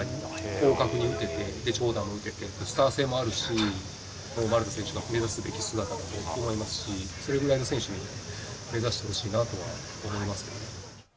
広角に打てて、長打も打てて、スター性もあるし、丸田選手が目指すべき姿だと思いますし、それくらいの選手を目指してほしいなとは思いますけど。